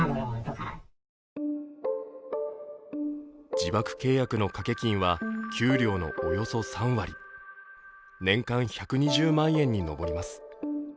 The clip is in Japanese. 自爆契約の掛け金は給料のおよそ３割年間１２０万円に上ります。